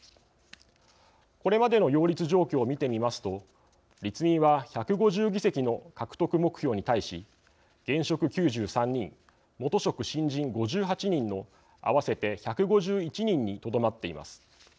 これまでの擁立状況を見てみますと立民は１５０議席の獲得目標に対し現職９３人元職・新人５８人の合わせて１５１人にとどまっています。